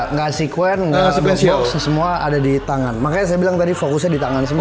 nggak sekuen enggak semua ada di tangan makanya saya bilang tadi fokusnya di tangan semua